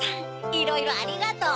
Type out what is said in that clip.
いろいろありがとう！